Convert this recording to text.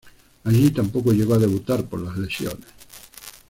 Allí tampoco llegó a debutar por las lesiones.